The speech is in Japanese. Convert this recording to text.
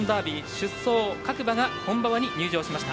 出走各馬が本馬場に入場しました。